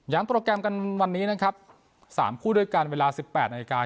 อย่างโปรแกรมกันวันนี้นะครับสามคู่ด้วยกันเวลาสิบแปดในอีกา